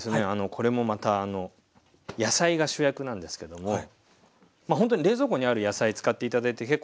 これもまた野菜が主役なんですけどもほんとに冷蔵庫にある野菜使って頂いて結構ですよ。